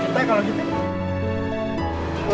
neng nanti aku nunggu